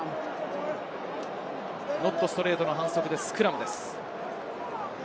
ノットストレートの反則でスクラムです。